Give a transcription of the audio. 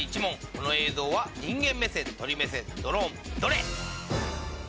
この映像は人間目線鳥目線ドローンどれ？